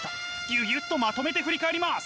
ギュギュっとまとめて振り返ります！